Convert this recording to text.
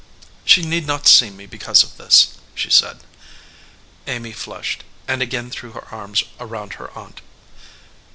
"She need not see me because of this," she said. Amy flushed, and again threw her arms around* her aunt.